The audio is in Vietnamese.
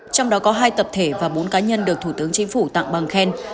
trong đó có hai tập thể và bốn cá nhân được thủ tướng chính phủ tặng bằng khen